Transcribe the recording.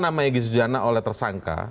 nama egy sujana oleh tersangka